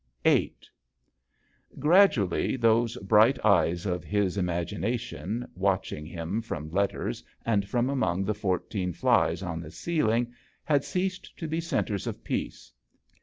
VIII. GRADUALLY those bright eyes of his imagi nation, watching him from letters and from among the fourteen flies on the ceiling, had ceased to be centres of peace.